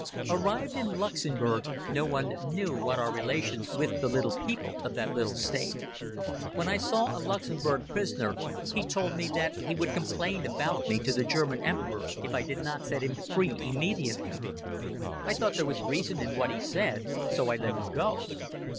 Arrived in Luxemburg no one knew what were our relations with the people of that little State. When I saw a Luxemburg prisoner, he told me that he would complain about me to the German Emperor if I did not set him free immediately. I thought there was reason in what he said. So I let him go.